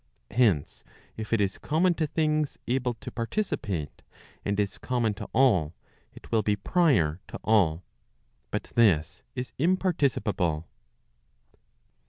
Hence if it is common to things able to participate, and is common to all, it will be prior to all. But this is imparticipable.